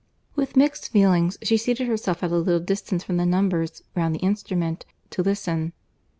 With mixed feelings, she seated herself at a little distance from the numbers round the instrument, to listen.